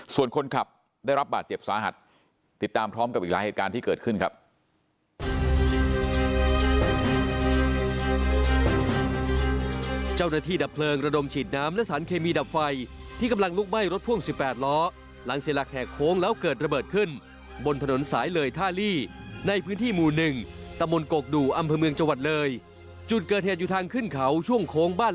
ส่วนคนขับได้รับบาดเจ็บสาหัสติดตามพร้อมกับอีกหลายเหตุการณ์ที่เกิดขึ้นครับ